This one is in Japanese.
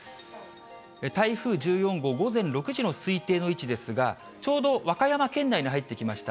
台風１４号、午前６時の推定の位置ですが、ちょうど和歌山県内に入ってきました。